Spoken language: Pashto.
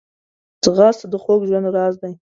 ځغاسته د خوږ ژوند راز دی